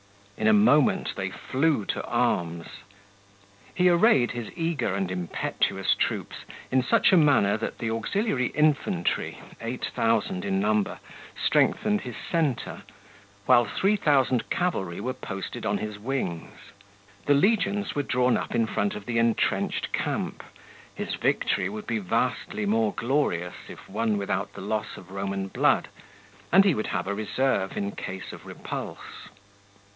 In a moment they flew to arms. He arrayed his eager and impetuous troops in such a manner that the auxiliary infantry, 8,000 in number, strengthened his centre, while 3,000 cavalry were posted on his wings. The legions were drawn up in front of the intrenched camp; his victory would be vastly more glorious if won without the loss of Roman blood, and he would have a reserve in case of repulse.